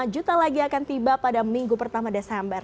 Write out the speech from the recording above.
lima juta lagi akan tiba pada minggu pertama desember